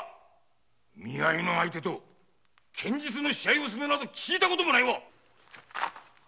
見合い相手と剣術の試合など聞いたこともない！